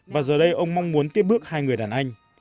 và giờ đây ông mong muốn tiếp bước hai người đàn anh